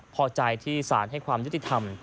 พอใจที่สารให้ความยุติธรรม